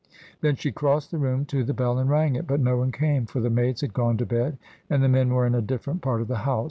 Then she crossed the room to the bell and rang it, but no one came, for the maids had gone to bed and the men were in a different part of the house.